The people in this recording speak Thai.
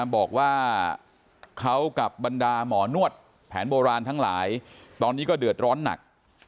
บอกว่าเขากับบรรดาหมอนวดแผนโบราณทั้งหลายตอนนี้ก็เดือดร้อนหนัก